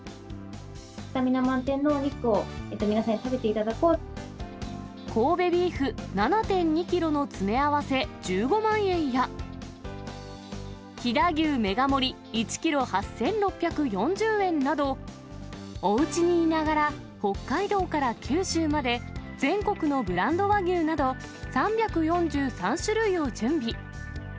スタミナ満点のお肉を、神戸ビーフ７．２キロの詰め合わせ１５万円や、飛騨牛メガ盛り１キロ８６４０円など、おうちにいながら北海道から九州まで、全国のブランド和牛など３４３種類を準備。